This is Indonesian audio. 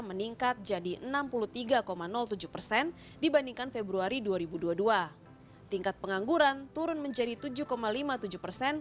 meningkat jadi enam puluh tiga tujuh persen dibandingkan februari dua ribu dua puluh dua tingkat pengangguran turun menjadi tujuh lima puluh tujuh persen